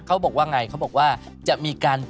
โอ้ยอยากรับมีนา